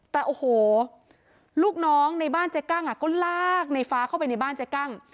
แต่โอ้โหลูกน้องในบ้านเจ๊กั้งก็ลากในฟ้าเข้าไปในบ้านเจ๊กั้ง